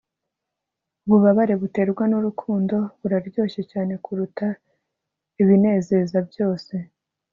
ububabare buterwa nurukundo buraryoshye cyane kuruta ibinezeza byose